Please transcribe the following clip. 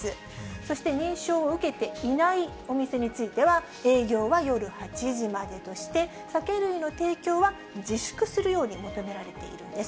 そして認証を受けていないお店については、営業は夜８時までとして、酒類の提供は自粛するように求められているんです。